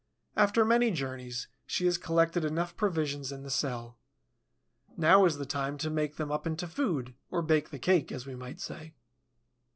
After many journeys, she has collected enough provisions in the cell. Now is the time to make them up into food, or bake the cake, as we might say.